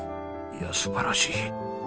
いや素晴らしい。